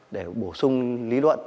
để bổ sung lý luận